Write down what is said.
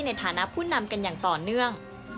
ในฐานะผู้นำกันอย่างต่อเนื่อง